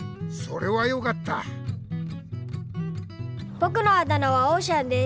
ぼくのあだ名は「オーシャン」です。